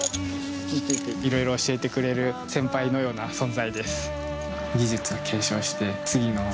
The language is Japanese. いろいろ教えてくれる先輩のような存在です。